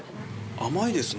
甘いですね。